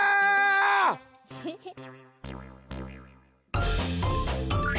ヘヘッ。